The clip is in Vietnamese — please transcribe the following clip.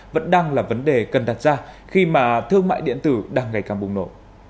vẫn đang là vấn đề cần đặt ra khi mà thương mại điện tử đang ngày càng bùng nổ